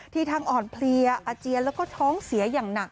ทั้งอ่อนเพลียอาเจียนแล้วก็ท้องเสียอย่างหนัก